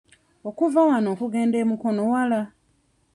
Okuva wano okugenda e Mukono wala?